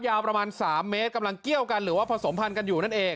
ยาวประมาณ๓เมตรกำลังเกี้ยวกันหรือว่าผสมพันธ์กันอยู่นั่นเอง